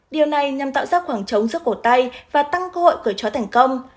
điều này nhằm tạo ra khoảng trống sức cổ tay và tăng cơ hội cởi chói thành công